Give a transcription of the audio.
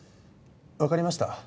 わかりました。